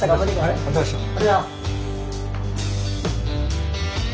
ありがとうございます。